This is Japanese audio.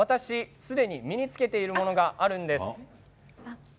すでに身に着けているものがあるんです。